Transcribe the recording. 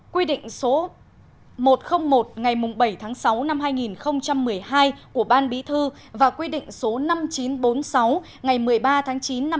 quy định số một trăm linh một ngày bảy tháng sáu năm hai nghìn một mươi hai của ban bí thư và quy định số năm nghìn chín trăm bốn mươi sáu ngày một mươi ba tháng sáu năm hai nghìn một mươi hai của ban bí thư